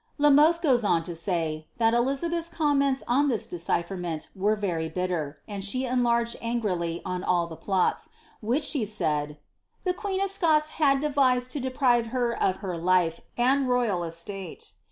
' !ot!ie goes on to say, that Elizabeth's comments on this decipher 'ere very bitter, and she enlarged angrily on all the plots, which 1 ^ the queen of Scots had devised to deprive her of her life and itate."